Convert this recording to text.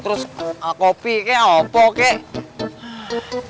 terus kopi kek apa kek